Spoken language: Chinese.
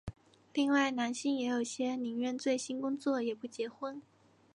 另外男性也有些宁愿醉心工作也不结婚。